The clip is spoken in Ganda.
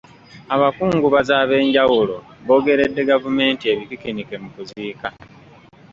Abakungubazi ab’enjawulo boogeredde gavumenti ebikikinike mu kuziika.